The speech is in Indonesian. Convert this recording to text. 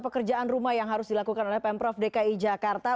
pekerjaan rumah yang harus dilakukan oleh pemprov dki jakarta